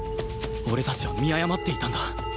俺たちは見誤っていたんだ